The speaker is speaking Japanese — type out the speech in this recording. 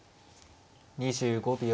２５秒。